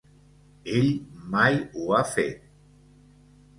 Ell mai ho ha fet.